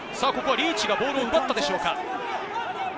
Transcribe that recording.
リーチがボールを奪ったでしょうか？